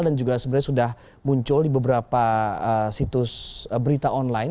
dan juga sebenarnya sudah muncul di beberapa situs berita online